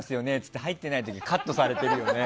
って入ってない時カットされてるよね。